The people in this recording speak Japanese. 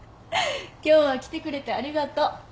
今日は来てくれてありがとう。